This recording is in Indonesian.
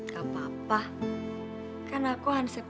karena lu udah nyelamatin gue